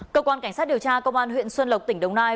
cơ quan cảnh sát điều tra công an huyện xuân lộc tỉnh đồng nai